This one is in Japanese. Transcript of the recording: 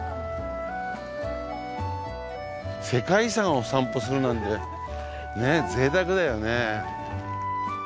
世界遺産をお散歩するなんてぜいたくだよね。